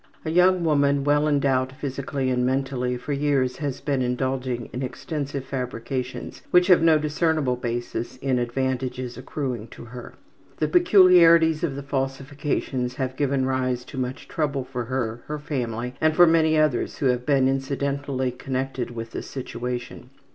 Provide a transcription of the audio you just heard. A young woman, well endowed physically and mentally, for years has often been indulging in extensive fabrications which have no discernible basis in advantages accruing to herself. The peculiarities of the falsifications have given rise to much trouble for her, her family, and for many others who have been incidentally connected with the situation.